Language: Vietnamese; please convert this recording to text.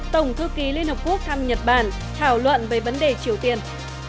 tổng thư ký liên hợp quốc thăm nhật bản thảo luận về vấn đề triều tiên